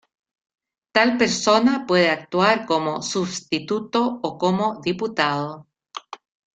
Tal persona puede actuar como substituto o como diputado.